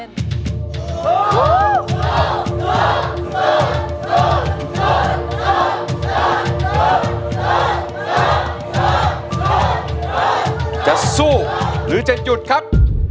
จะสู้หรือจะหยุดครับ